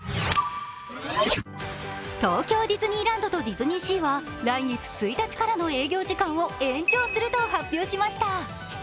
東京ディズニーランドとディズニーシーは来月１日からの営業時間を延長すると発表しました。